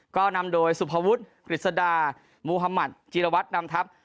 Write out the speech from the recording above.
ก็นำโดยสุภวุฒิกฤษดามูธมัติจีรวัตรนำทัพ